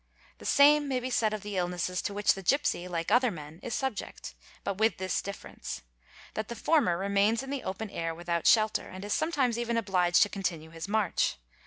¢ The same may be said of the illnesses to which the gipsy, like other men, is subject, but with this difference, that the former remains in the open air without shelter and is sometimes even obliged to continue his march.